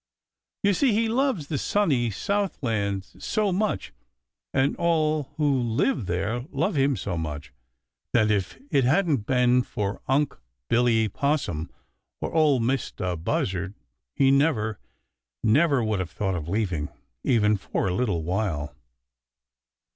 You see, he loves the sunny south land so much, and all who live there love him so much, that if it hadn't been for Unc' Billy Possum and Ol' Mistah Buzzard he never, never would have thought of leaving, even for a little while.